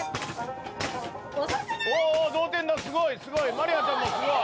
まりあちゃんもスゴい！